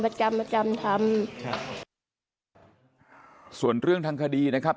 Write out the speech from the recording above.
ประจำประจำทำครับส่วนเรื่องทางคดีนะครับ